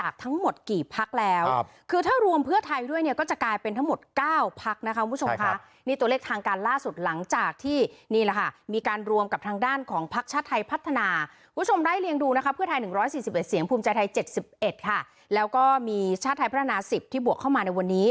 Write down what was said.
คุณผู้ชมค่ะแล้วก็มีชาติไทยพัฒนา๑๐ที่บวกเข้ามาในวันนี้